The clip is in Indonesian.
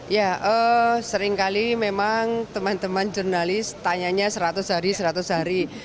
ya seringkali memang teman teman jurnalis tanyanya seratus hari seratus hari